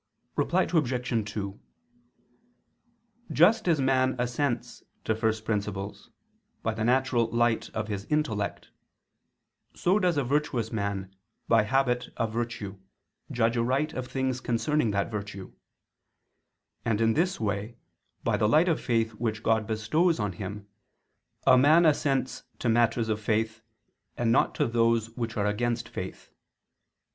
Reply Obj. 2: Just as man assents to first principles, by the natural light of his intellect, so does a virtuous man, by the habit of virtue, judge aright of things concerning that virtue; and in this way, by the light of faith which God bestows on him, a man assents to matters of faith and not to those which are against faith.